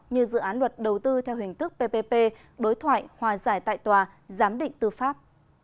như dự án luật đầu tư theo hình thức ppp đối thoại hòa giải tại tòa giám định tư pháp